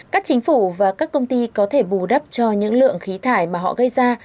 các chính phủ và các công ty có thể bù đắp cho những lượng khí thải mà họ gây ra